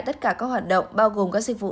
tất cả các hoạt động bao gồm các dịch vụ